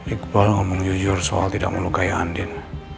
iqbal ngomong jujur soal tidak mau lukai andin